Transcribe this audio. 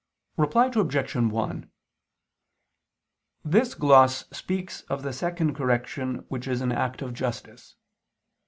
Reply Obj. 1: This gloss speaks of the second correction which is an act of justice.